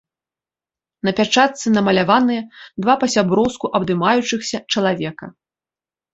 На пячатцы намаляваныя два па-сяброўску абдымаючыхся чалавека.